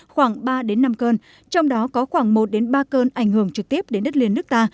khoảng ba đến năm cơn trong đó có khoảng một đến ba cơn ảnh hưởng trực tiếp đến đất liền nước ta